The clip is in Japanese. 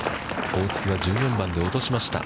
大槻は１４番で落としました。